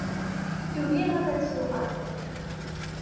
Tugi ad d-tuɣal.